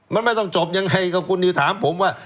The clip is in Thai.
มันไม่ต้องจบยังไงครับคุณนิวถามผมว่า